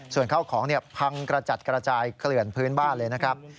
ส่วนข้าวของพังกระจัดกระจายเกลื่อนพื้นบ้านเลยนะครับ